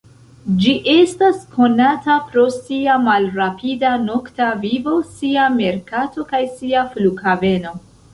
Ĝi estas konata pro sia malrapida nokta vivo, sia merkato kaj sia flughaveno.